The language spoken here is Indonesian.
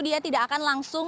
dia tidak akan langsung